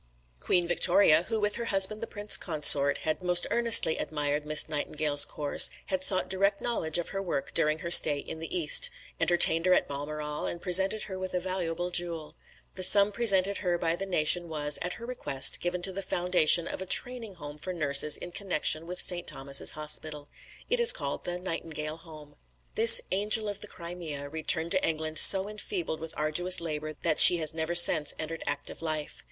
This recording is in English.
Queen Victoria, who with her husband the Prince Consort, had most earnestly admired Miss Nightingale's course, and had sought direct knowledge of her work during her stay in the East, entertained her at Balmoral and presented her with a valuable jewel. The sum presented her by the nation was, at her request, given to the foundation of a training home for nurses in connection with St. Thomas's Hospital. It is called the "Nightingale Home." This "Angel of the Crimea" returned to England so enfeebled with arduous labour that she has never since entered active life.